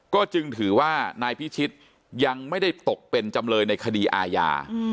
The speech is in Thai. ก็จึงถือว่านายพิชิตยังไม่ได้ตกเป็นจำเลยในคดีอาญา